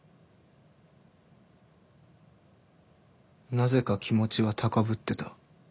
なぜか気持ちは高ぶってた。